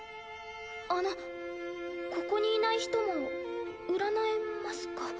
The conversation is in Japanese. あのここにいない人も占えますか？